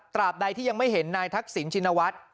บใดที่ยังไม่เห็นนายทักษิณชินวัฒน์